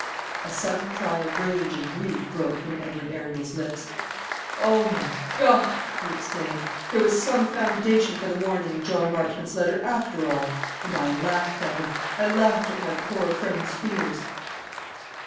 A sudden cry of rage and grief broke from Edward Arundel's lips. "O my God!" he exclaimed, "there was some foundation for the warning in John Marchmont's letter, after all. And I laughed at him; I laughed at my poor friend's fears."